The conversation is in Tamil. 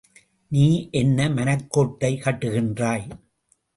நீ என்ன மனக்கோட்டை கட்டுகின்றாய்.